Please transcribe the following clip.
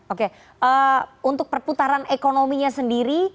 oke untuk perputaran ekonominya sendiri